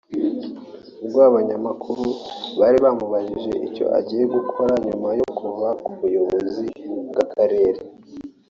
ubwo abanyamakuru bari bamubajije icyo agiye gukora nyuma yo kuva ku buyobozi bw’Akarere